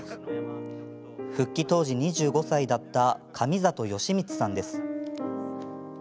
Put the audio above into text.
復帰当時２５歳だった神里良光さんです。